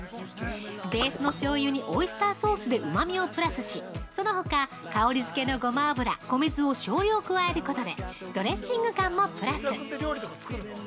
ベースのしょうゆにオイスターソースでうまみをプラスし、そのほか、香りづけのごま油、米酢を少量加えることでドレッシング感もプラス。